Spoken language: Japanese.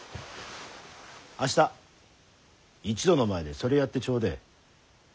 明日一同の前でそれやってちょでえ。